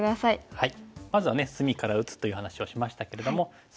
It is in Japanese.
はい。